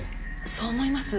そう思います。